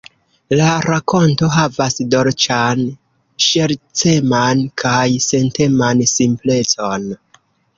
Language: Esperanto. La rakonto havas dolĉan, ŝerceman kaj senteman simplecon.